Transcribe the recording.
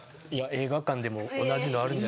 映画館でも同じのあるんじゃないですか。